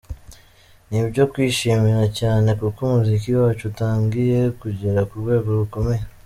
Ni ibyo kwishimirwa cyane kuko umuziki wacu utangiye kugera ku rwego rukomeye.